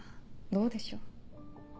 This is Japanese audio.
どうでしょう。